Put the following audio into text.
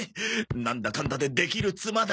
なんだかんだでできる妻だ！